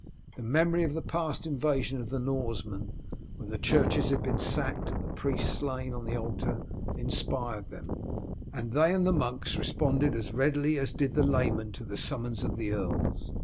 The memory of the past invasion of the Norsemen, when the churches had been sacked and the priests slain on the altar, inspired them, and they and the monks responded as readily as did the laymen to the summons of the earls.